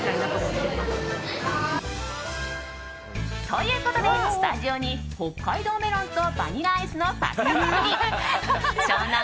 ということで、スタジオに北海道メロンとバニラアイスのパフェ氷湘南